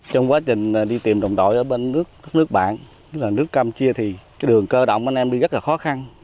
trong quá trình đi tìm đồng đội ở bên nước nước bạn nước campuchia thì đường cơ động của anh em đi rất là khó khăn